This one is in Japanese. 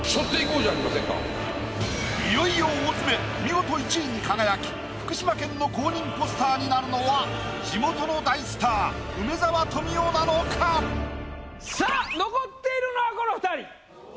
いよいよ大詰め見事１位に輝き福島県の公認ポスターになるのは地元の大スター梅沢富美男なのか⁉さぁ残っているのはこの２人。